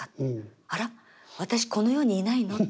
あら私この世にいないの？